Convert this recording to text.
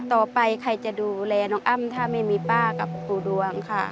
ต่อไปใครจะดูแลน้องอ้ำถ้าไม่มีป้ากับครูดวงค่ะ